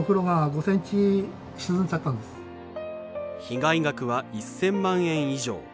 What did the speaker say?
被害額は１，０００万円以上。